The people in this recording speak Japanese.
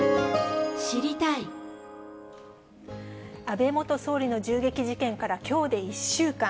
安倍元総理の銃撃事件からきょうで１週間。